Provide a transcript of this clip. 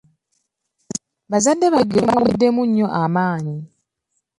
Bazadde bange baaweddemu nnyo amaanyi.